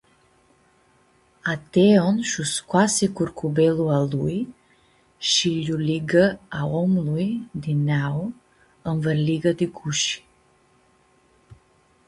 A Teon shu scoasi curcubelu a lui shi lj-lu ligã a Omlui di neau ãnvãrliga di gushi.